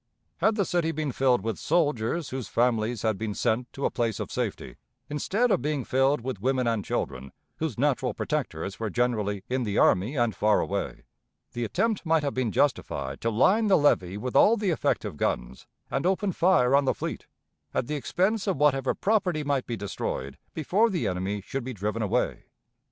Had the city been filled with soldiers whose families had been sent to a place of safety, instead of being filled with women and children whose natural protectors were generally in the army and far away, the attempt might have been justified to line the levee with all the effective guns and open fire on the fleet, at the expense of whatever property might be destroyed before the enemy should be driven away.